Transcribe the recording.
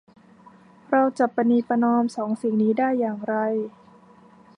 เราจะประนีประนอมสองสิ่งนี้ได้อย่างไร